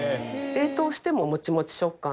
冷凍してももちもち食感。